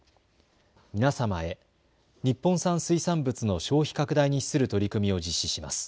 皆様へ、日本産水産物の消費拡大に資する取り組みを実施します。